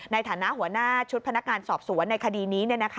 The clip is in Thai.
ในฐานะหัวหน้าชุดพนักงานสอบสวนในคดีนี้